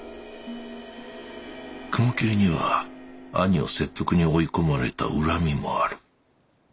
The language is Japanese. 雲霧には兄を切腹に追い込まれた恨みもある。